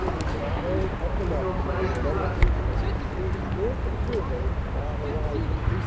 And so up and up to the leaded rooftop, there to survey a far horizon.